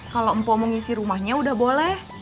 kalau mpo mau ngisi rumahnya udah boleh